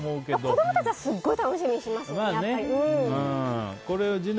子供たちはすごい楽しみにしてますよね。